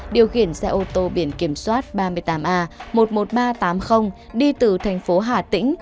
điều khiển xe ô tô biển kiểm soát ba mươi tám a một mươi một nghìn ba trăm tám mươi đi từ thành phố hà tĩnh